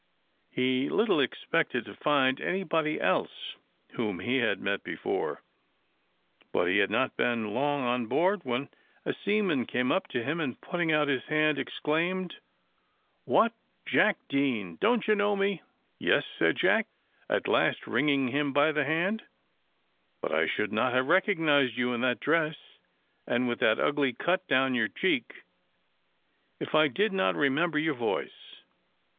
He little expected to find any body else whom he had met before; but he had not been long on board, when a seaman came up to him, and, putting out his hand, exclaimed "What, Jack Deane, don't you know me?" "Yes," said Jack, at last, wringing him by the hand; "but I should not have recognised you in that dress and with that ugly cut down your cheek, if I did not remember your voice."